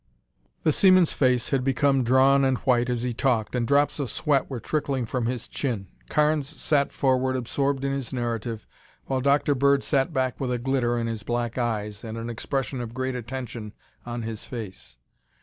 The seaman's face had become drawn and white as he talked, and drops of sweat were trickling from his chin. Carnes sat forward absorbed in his narrative while Dr. Bird sat back with a glitter in his black eyes and an expression of great attention on his face.